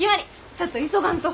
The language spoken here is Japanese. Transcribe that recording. ちょっと急がんと。